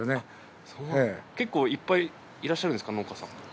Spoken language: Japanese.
結構いっぱいいらっしゃるんですか農家さん。